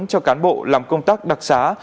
cho cán bộ làm công tác đặc sản